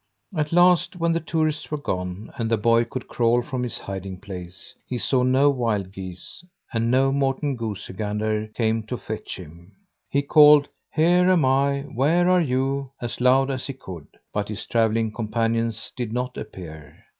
At last, when the tourists were gone, and the boy could crawl from his hiding place, he saw no wild geese, and no Morten Goosey Gander came to fetch him. He called, "Here am I, where are you?" as loud as he could, but his travelling companions did not appear.